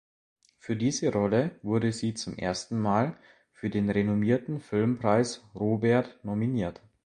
Für diese Rolle wurde sie zum ersten Mal für den renommierten Filmpreis Robert nominiert.